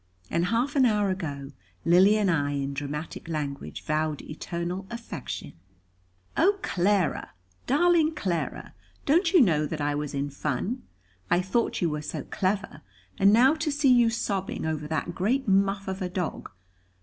And half an hour ago, Lily and I in dramatic language, vowed eternal affection! "Oh, Clara, darling Clara, don't you know that I was in fun? I thought you were so clever. And now to see you sobbing over that great muff of a dog!